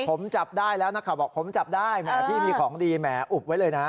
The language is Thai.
ผมจับได้แล้วนักข่าวบอกผมจับได้แหมพี่มีของดีแหมออุบไว้เลยนะ